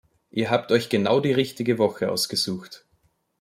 Ihr habt euch genau die richtige Woche ausgesucht.